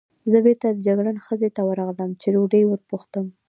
زه بېرته د جګړن خزې ته ورغلم، چې ډوډۍ وپوښتم.